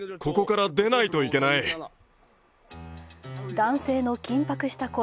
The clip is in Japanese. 男性の緊迫した声。